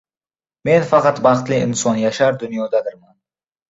Men faqat baxtli inson yashar – dunyodadirman